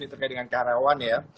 terkait dengan karyawan ya